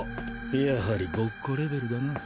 やはりごっこレベルだな。